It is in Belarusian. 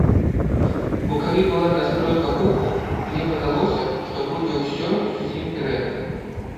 Бо калі была настройка гуку, мне падалося, што будзе ўсё зусім дрэнна.